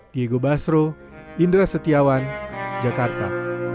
diego basro indra setiawan jakarta